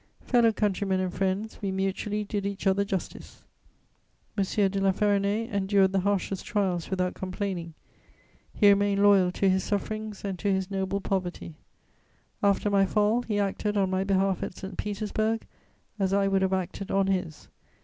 Fellow countrymen and friends, we mutually did each other justice. M. de La Ferronnays endured the harshest trials without complaining; he remained loyal to his sufferings and to his noble poverty. After my fall, he acted on my behalf at St. Petersburg, as I would have acted on his.